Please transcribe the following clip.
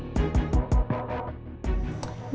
dengan tutup mulutnya